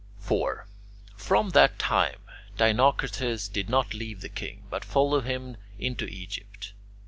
4. From that time, Dinocrates did not leave the king, but followed him into Egypt.